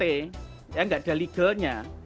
enggak ada legalnya